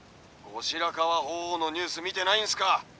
「後白河法皇のニュース見てないんすか？